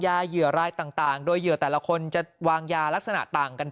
เหยื่อรายต่างโดยเหยื่อแต่ละคนจะวางยาลักษณะต่างกัน